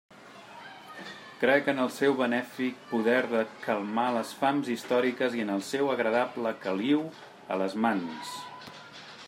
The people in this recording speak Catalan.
Crec en el seu benèfic poder de calmar les fams històriques i en el seu agradable caliu a les mans.